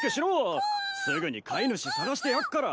すぐに飼い主捜してやっから。